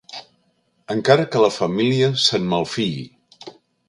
Encara que la família se'n malfiï.